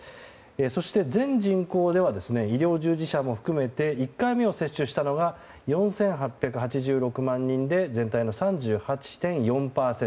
そして、全人口では医療従事者も含めて１回目を接種したのが４８８６万人で全体の３８．４％。